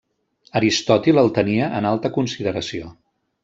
Aristòtil el tenia en alta consideració.